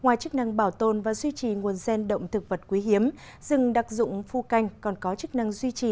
ngoài chức năng bảo tồn và duy trì nguồn gen động thực vật quý hiếm rừng đặc dụng phu canh còn có chức năng duy trì